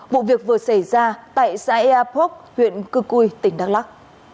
vụ việc vừa xảy ra tại xã ea pok huyện cư cui tỉnh đắk lắc